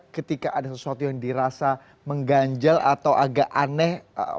ketika ada sesuatu yang dirasa mengganjal atau agak aneh